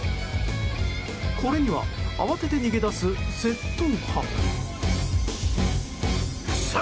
これには慌てて逃げ出す窃盗犯。